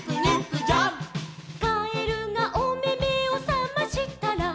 「かえるがおめめをさましたら」